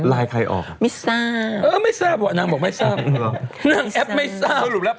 ไลน์ใครออกไม่ทราบนางบอกไม่ทราบนางแอบไม่ทราบ